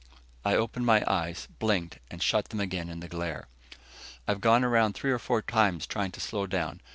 I opened my eyes, blinked, and shut them again in the glare. "I've gone around three or four times trying to slow down.